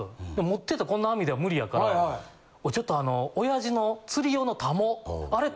持ってたこんな網では無理やからちょっと親父の釣り用のタモあれ